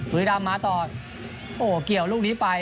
บุรีรำมาต่อโอ้โหเกี่ยวลูกนี้ไป